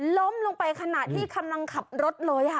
ล้มลงไปขนาดที่กำลังขับรถเลย